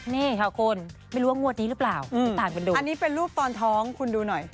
นี่ค่ะคุณไม่รู้ว่างวดนี้หรือเปล่าติดตามกันดูอันนี้เป็นรูปตอนท้องคุณดูหน่อย